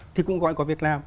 thì cũng gọi có việc làm